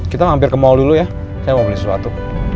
kita hampir ke mall dulu ya saya mau beli sesuatu